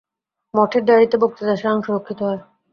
মঠের ডায়েরীতে বক্তৃতার সারাংশ রক্ষিত হয়।